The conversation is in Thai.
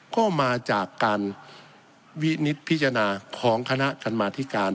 ก็มาจากการวินิตพิจารณาของคณะกรรมาธิการ